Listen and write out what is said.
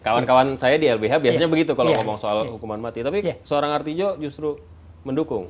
kawan kawan saya di lbh biasanya begitu kalau ngomong soal hukuman mati tapi seorang artijo justru mendukung